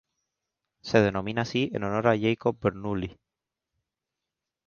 Se denomina así en honor a Jakob Bernoulli.